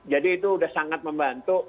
itu sudah sangat membantu